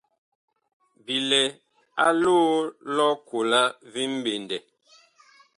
Bi lɛ a loo lʼ ɔkola vi mɓendɛ.